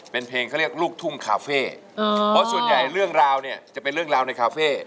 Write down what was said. เป็นเพลงเขาเรียกลูกทุ่งคาเฟ่เพราะส่วนใหญ่เรื่องราวเนี่ยจะเป็นเรื่องราวในคาเฟ่